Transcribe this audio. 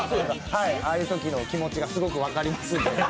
ああいうときの気持ちがすごく分かりますね。